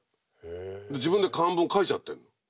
自分で漢文書いちゃってるの。